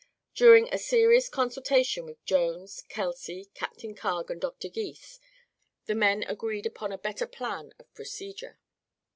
During a serious consultation with Jones, Kelsey, Captain Carg and Dr. Gys, the men agreed upon a better plan of procedure.